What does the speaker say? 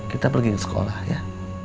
kita pergi ke sekolah ya